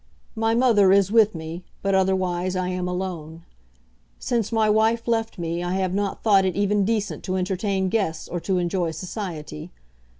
My mother is with me; but otherwise I am alone. Since my wife left me I have not thought it even decent to entertain guests or to enjoy society.